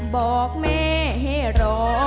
บอกแม่ให้รอ